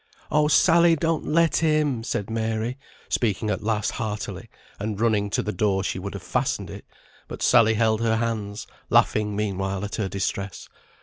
"Oh, Sally, don't let him," said Mary, speaking at last heartily; and running to the door she would have fastened it, but Sally held her hands, laughing meanwhile at her distress.